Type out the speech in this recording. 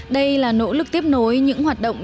đây là nỗ lực tiếp nối những hoạt động